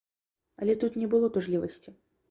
Але тут не было тужлівасці.